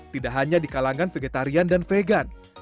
tidak hanya di kalangan vegetarian dan vegan